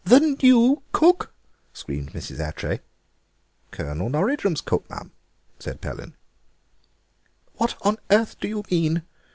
"The new cook!" screamed Mrs. Attray. "Colonel Norridrum's cook, ma'am," said Pellin. "What on earth do you mean?